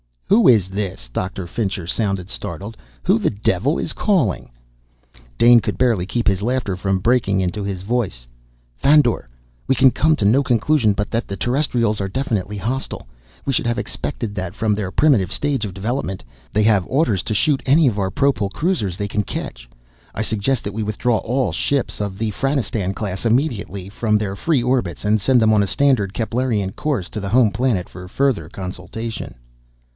"Who is this?" Doctor Fincher sounded startled. "Who the devil is this calling?" Dane could barely keep his laughter from breaking into his voice. "Thandor, we can come to no conclusion but that the Terrestrials are definitely hostile. We should have expected that from their primitive stage of development. They have orders to shoot any of our propul cruisers they can catch. I suggest that we withdraw all ships of the Franistan class immediately from their free orbits and send them on a standard Keplerian course to the home planet for further consultation."